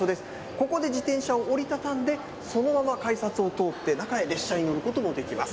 ここで自転車を折り畳んで、そのまま改札を通って中へ、列車に乗ることもできます。